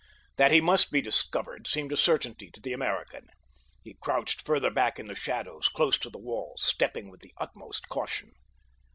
That he must be discovered seemed a certainty to the American. He crouched further back in the shadows close to the wall, stepping with the utmost caution.